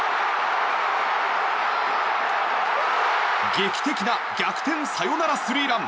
劇的な逆転サヨナラスリーラン！